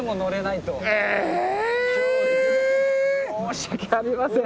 申し訳ありません。